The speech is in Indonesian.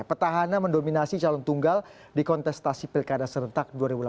petahana mendominasi calon tunggal di kontestasi pilkada serentak dua ribu delapan belas